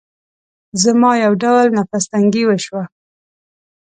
زما يو ډول نفس تنګي وشوه.